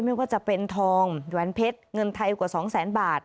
ไม่ว่าจะเป็นทองแหวนเพชรเงินไทยกว่า๒แสนบาท